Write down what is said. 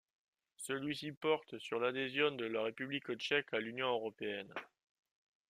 Celui-ci porte sur l'adhésion de la République tchèque à l'Union européenne.